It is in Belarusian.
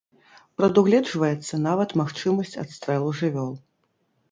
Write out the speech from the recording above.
Прадугледжваецца нават магчымасць адстрэлу жывёл.